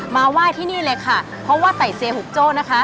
มาไหว้ที่นี่เลยค่ะเพราะว่าไต่เซียหุกโจ้นะคะ